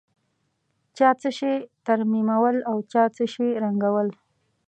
چا څه شي ترمیمول او چا څه شي ړنګول.